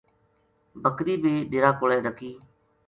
بکری بے ڈیرا کولے ڈَکی